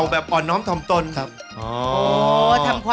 ขอบคุณมาก